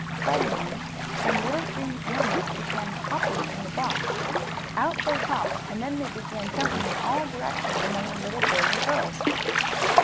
Suddenly some little green animals began hopping from the box. Out they hopped, and then they began jumping in all directions, among the little boys and girls.